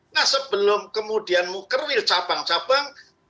nah sebelum kemudian mukerwil cabang cabang